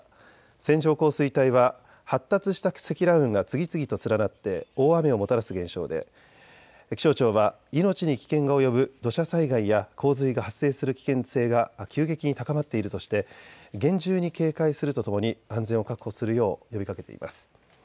線状降水帯は発達した積乱雲が次々と連なって大雨をもたらす現象で気象庁は命に危険が及ぶ土砂災害や洪水が発生する危険性が急激に高まっているとして厳重に警戒するとともに安全を確保するよう呼びかけています。